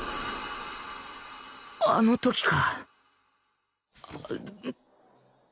あの時か